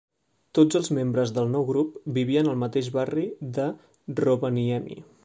Tots els membres del nou grup vivien al mateix barri de Rovaniemi.